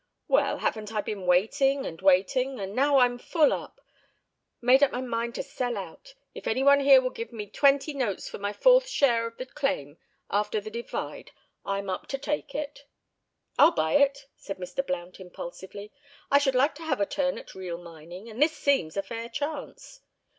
"Well, haven't I been waitin' and waitin', and now I'm full up; made up my mind to sell out. If any one here will give me twenty notes for my fourth share of the claim after this divide, I'm up to take it." "I'll buy it," said Mr. Blount impulsively. "I should like to have a turn at real mining, and this seems a fair chance."